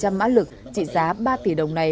một trăm linh mã lực trị giá ba tỷ đồng này